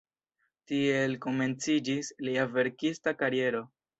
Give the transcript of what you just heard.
Tiel komenciĝis lia verkista kariero.